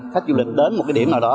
khách du lịch đến một điểm nào đó